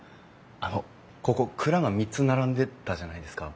あのここ蔵が３つ並んでたじゃないですか。